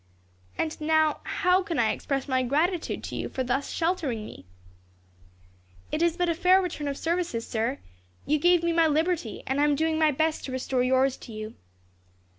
"And now, how can I express my gratitude to you, for thus sheltering me?" "It is but a fair return of services, sir. You gave me my liberty, and I am doing my best to restore yours to you."